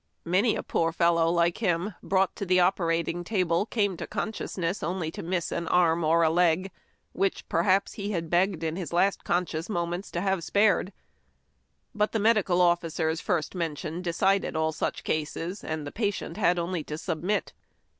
Many a poor fellow like him brought to the opera tor's table came to consciousness only to miss an arm or a leg which perhaps he had begged in his last conscious mo ments to have spared. But the medical officers first men tioned decided all such cases, and the patient had only to submit.